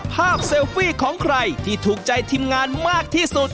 เซลฟี่ของใครที่ถูกใจทีมงานมากที่สุด